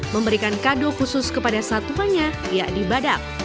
memberikan kado khusus kepada satu satunya yakni badak